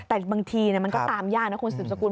แต่บางทีมันก็ตามยากนะคุณสืบสกุล